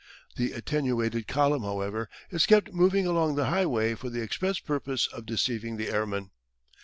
The attenuated column, however, is kept moving along the highway for the express purpose of deceiving the airman.